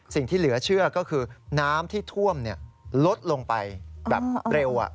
สิ่งที่เหลือเชื่อก็คือน้ำที่ท่วมลดลงไปแบบเร็ว